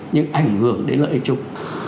nhưng ảnh hưởng đến lợi trục